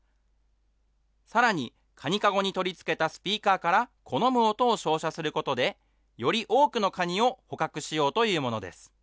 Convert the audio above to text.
さらに、カニかごに取り付けたスピーカーから好む音を照射することで、より多くのカニを捕獲しようというものです。